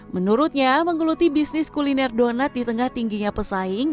menurutnya menggeluti bisnis kuliner donat di tengah tingginya pesaing